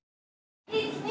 １２！